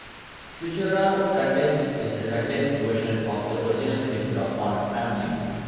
Futura Condensed is a condensed version of the original Futura font family.